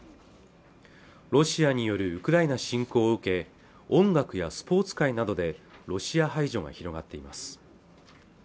ロシアによるウクライナ侵攻を受け音楽やスポーツ界などでロシア排除が広がっています